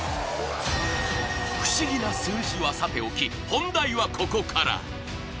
不思議な数字はさておき本題はここから！